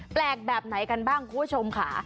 แปลกแบบไหนกันบ้างคุณผู้ชมค่ะ